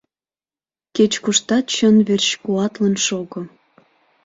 Кеч-куштат чын верч куатлын шого.